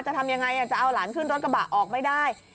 จะทำยังไงจะเอาหลานขึ้นรถกระบะออกไม่ได้